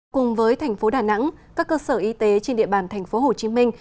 cùng với thành phố đà nẵng các cơ sở y tế trên địa bàn thành phố hồ chí minh